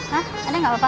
hah ada gak apa apa